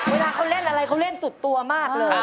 เวลาเขาเล่นอะไรเขาเล่นสุดตัวมากเลย